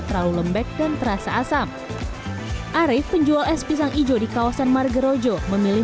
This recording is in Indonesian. terlalu lembek dan terasa asam arief penjual es pisang ijo di kawasan margorojo memilih